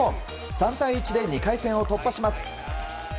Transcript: ３対１で２回戦を突破します。